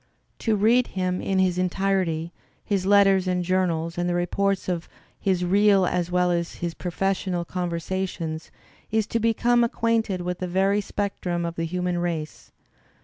To read him in his entirety, his letters and journals and the reports of his real as well as his professional "conversations," is to be become ac quainted with a very great specimen of the human race.